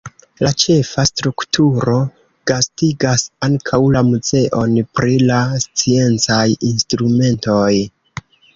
La ĉefa strukturo gastigas ankaŭ la muzeon pri la sciencaj instrumentoj.